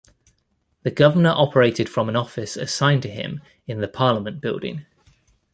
The Governor operated from an office assigned to him in the Parliament Building.